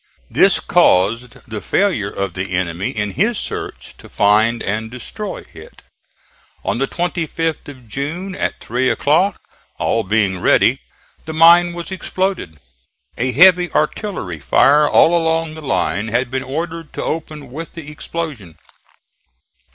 This caused the failure of the enemy in his search to find and destroy it. On the 25th of June at three o'clock, all being ready, the mine was exploded. A heavy artillery fire all along the line had been ordered to open with the explosion.